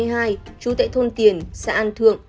trú tại thôn tiền xã an thượng